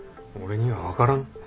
俺には分からん。